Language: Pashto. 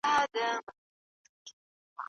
تقلید د زده کړي لومړنی پړاو دی.